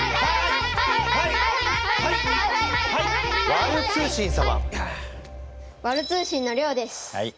ワル通信のりょうです。